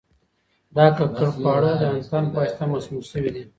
دا ککړ خواړه د انتان په واسطه مسموم شوي دي.